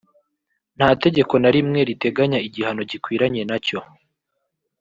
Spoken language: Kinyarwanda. nta tegeko na rimwe riteganya igihano gikwiranye nacyo